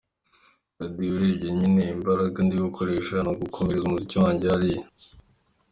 Daddy: Urebye njyewe imbaraga ndi gukoresha ni ugukomeza umuziki wanjye hariya.